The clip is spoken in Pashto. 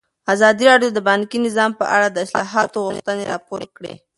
ازادي راډیو د بانکي نظام په اړه د اصلاحاتو غوښتنې راپور کړې.